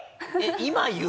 今言う？